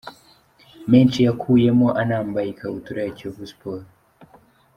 menshi yakuyemo anambaye ikabutura ya Kiyovu Sports.